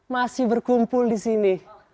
masih berkumpul di sini